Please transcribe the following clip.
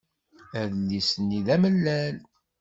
Adlis-nni d amellal.